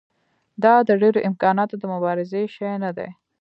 دا د ډېرو امکاناتو د مبارزې شی نه دی.